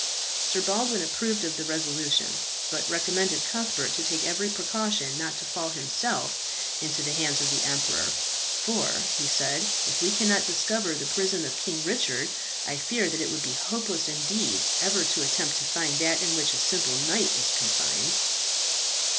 Sir Baldwin approved of the resolution; but recommended Cuthbert to take every precaution not to fall himself into the hands of the emperor; "for," he said, "if we cannot discover the prison of King Richard, I fear that it would be hopeless indeed ever to attempt to find that in which a simple knight is confined."